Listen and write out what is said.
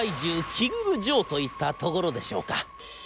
キングジョーといったところでしょうか。